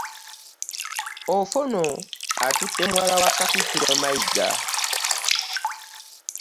Ofwono atutte muwala wa kattikiro Matiyiga.